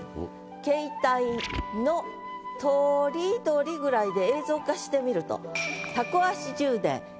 「携帯のとりどり」ぐらいで映像化してみると。